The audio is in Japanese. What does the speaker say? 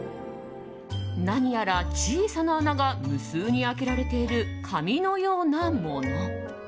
何やら小さな穴が無数に開けられている紙のようなもの。